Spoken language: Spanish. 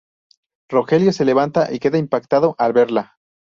Rogelio se levanta y queda impactado al verla.